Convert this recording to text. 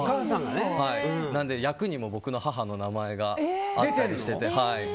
なので役にも僕の母の名前があったりして。